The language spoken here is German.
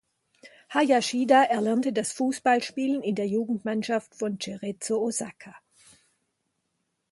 Hayashida erlernte das Fußballspielen in der Jugendmannschaft von Cerezo Osaka.